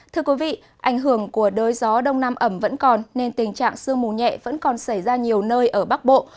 thưa quý vị ảnh hưởng của đới gió đông nam ẩm vẫn còn nên tình trạng sương mù nhẹ vẫn còn xảy ra nhiều nơi ở bắc bộ